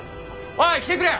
おい来てくれ！